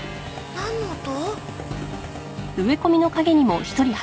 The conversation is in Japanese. なんの音？